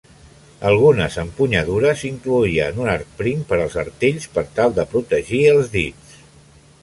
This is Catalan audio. Algunes empunyadures incloïen un arc prim per als artells per tal de protegir els dits.